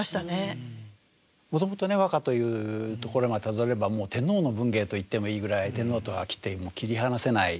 もともとね和歌というところまでたどればもう天皇の文芸と言ってもいいぐらい天皇とは切っても切り離せない。